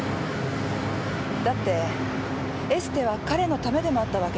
だってエステは彼のためでもあったわけでしょ？